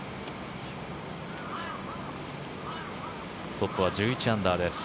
トップは１１アンダーです。